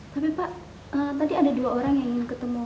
tapi pak tadi ada dua orang yang ingin ketemu